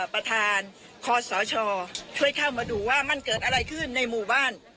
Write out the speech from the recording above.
ประธานคศช่วยเข้ามาดูว่ามันเกิดอะไรขึ้นในหมู่บ้าน